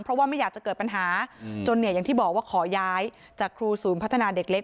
เพราะว่าไม่อยากจะเกิดปัญหาจนเนี่ยอย่างที่บอกว่าขอย้ายจากครูศูนย์พัฒนาเด็กเล็ก